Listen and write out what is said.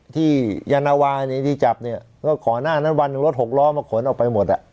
ที่ยานาวาที่จับเนี่ยก็ก่อนหน้านั้นวันหนึ่งรถหกล้อมาขนออกไปหมด